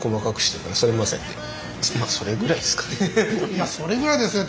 いや「それぐらいですね」